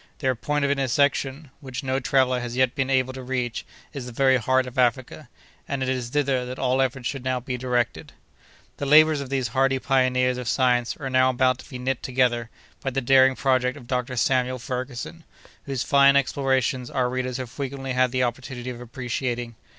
Their point of intersection, which no traveller has yet been able to reach, is the very heart of Africa, and it is thither that all efforts should now be directed. "The labors of these hardy pioneers of science are now about to be knit together by the daring project of Dr. Samuel Ferguson, whose fine explorations our readers have frequently had the opportunity of appreciating.